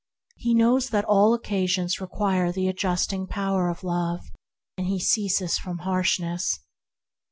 He knows that all occasions require the adjusting power of Love, and he ceases from harshness.